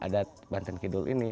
ada di adat banten kidul ini ya ya